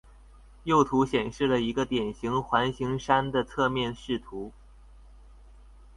右图显示了一个典型环形山的侧面视图。